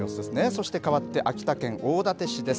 そしてかわって秋田県大館市です。